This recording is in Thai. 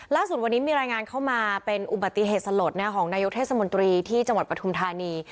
ล่าสุดวันนี้มีรายงานเข้ามาเป็นอุบัติเหตุสลดของนายกเทศมนตรีที่จังหวัดปฐุมธานี